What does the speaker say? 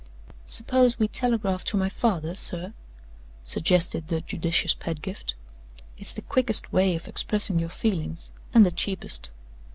"Suppose we telegraph to my father, sir?" suggested the judicious Pedgift. "It's the quickest way of expressing your feelings, and the cheapest."